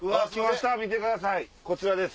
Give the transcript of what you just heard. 見てくださいこちらです。